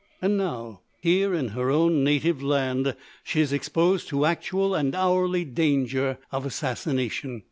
And now, here in her own native land, she is exposed to actual and hourly danger of assassination....